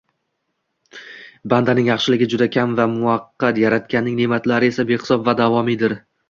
Bandaning yaxshiligi juda kam va muvaqqat, Yaratganning neʼmatlari esa behisob va davomiydir.